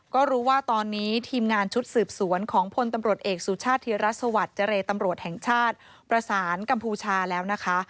ก็รู้ว่าตอนนี้ทีมงานชุดสืบสวนของพลตำรวจเอกสุชาติธิรัฐสวัสดิ์เจรตำรวจแห่งชาติประสานกัมพูชาแล้วนะคะ